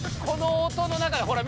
この音の中で。